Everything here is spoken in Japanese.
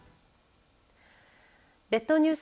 列島ニュース